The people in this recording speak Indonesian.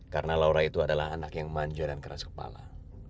karena laura itu adalah anak yang manja dan keras kepala